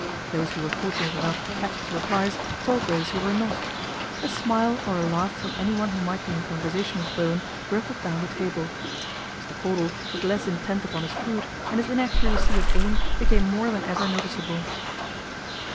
Those who were fortunate enough to catch his replies told those who were not. A smile or a laugh from anyone who might be in conversation with Bowen rippled down the table. Mr. Cordal was less intent upon his food, and his inaccuracy of aim became more than ever noticeable.